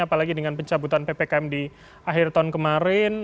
apalagi dengan pencabutan ppkm di akhir tahun kemarin